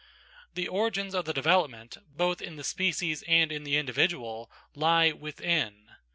The origins of the development, both in the species and in the individual, lie within.